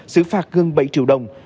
sử phạt gần bảy triệu đồng